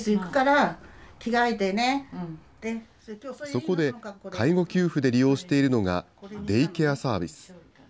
そこで、介護給付で利用しているのが、デイケアサービス。